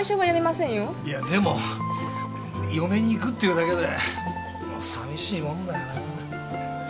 いやでも嫁にいくっていうだけでさみしいもんだよな。